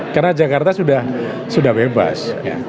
karena jakarta sudah sudah bebas